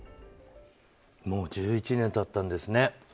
もう１１年経ったんですね。